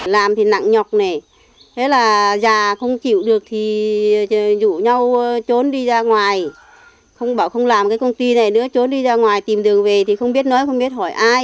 làm thì nặng nhọc này thế là già không chịu được thì rủ nhau trốn đi ra ngoài không bảo không làm cái công ty này nữa trốn đi ra ngoài tìm đường về thì không biết nói không biết hỏi ai